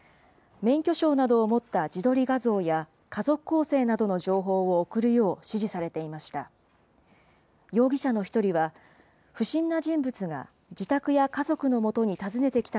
免許証などを持った自撮り画像や家族構成などの情報を送るよう指示されていました。